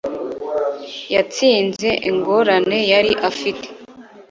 Yatsinze ingorane yari afite